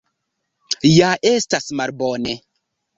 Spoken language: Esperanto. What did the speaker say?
Ja estas malbone!